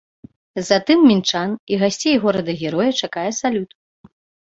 Затым мінчан і гасцей горада-героя чакае салют.